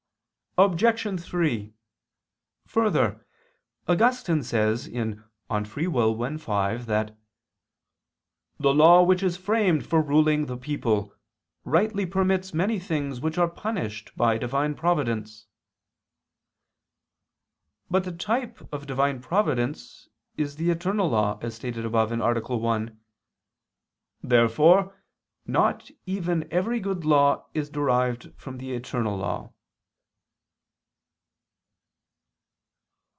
Obj. 3: Further, Augustine says (De Lib. Arb. i, 5) that "the law which is framed for ruling the people, rightly permits many things which are punished by Divine providence." But the type of Divine providence is the eternal law, as stated above (A. 1). Therefore not even every good law is derived from the eternal law.